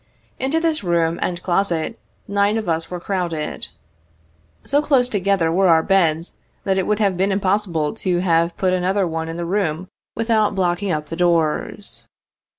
Into this room and closet, nine of us were crowded. So close together were our beds, that it would have been impossible to have put another one in the room without blocking up the doors.